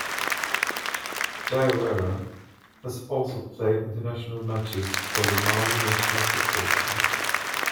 Diawara has also played international matches for the Mali national football team.